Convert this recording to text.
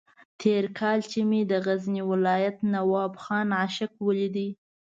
تېر کال چې مې د غزني ولایت نواب خان عاشق ولید.